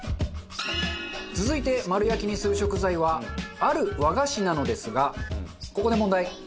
続いて丸焼きにする食材はある和菓子なのですがここで問題。